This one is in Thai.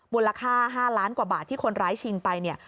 มูลค่า๕ล้านกว่าบาทที่คนร้ายชิงไปเนี่ย